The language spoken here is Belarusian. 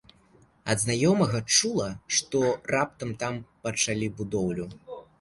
Ад знаёмага чула, што раптам там пачалі будоўлю.